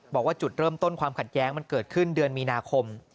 บอกว่าจุดเริ่มต้นความขัดแย้งมันเกิดขึ้นเดือนมีนาคม